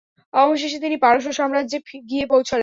অবশেষে তিনি পারস্য সাম্রাজ্যে গিয়ে পৌঁছলেন।